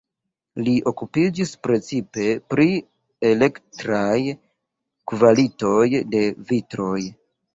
Li okupiĝis precipe pri elektraj kvalitoj de vitroj.